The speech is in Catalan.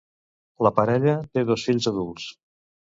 La parella té dos fills adults.